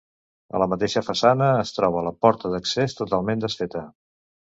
A la mateixa façana es troba la porta d'accés, totalment desfeta.